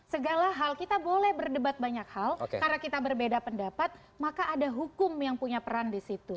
segala hal kita boleh berdebat banyak hal karena kita berbeda pendapat maka ada hukum yang punya peran di situ